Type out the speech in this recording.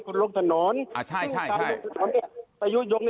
เขาให้สัมภาษณ์บอกว่า